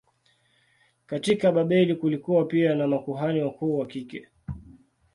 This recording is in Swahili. Katika Babeli kulikuwa pia na makuhani wakuu wa kike.